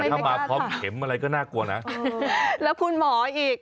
ถ้ามาพร้อมเข็มอะไรก็น่ากลัวนะแล้วคุณหมออีก